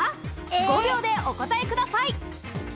５秒でお答えください。